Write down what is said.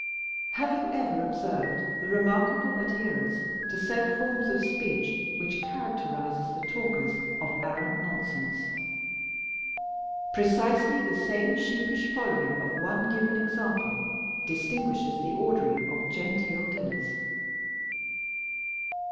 Have you ever observed the remarkable adherence to set forms of speech which characterizes the talkers of arrant nonsense! Precisely the same sheepish following of one given example distinguishes the ordering of genteel dinners.